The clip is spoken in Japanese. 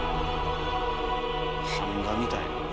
版画みたい。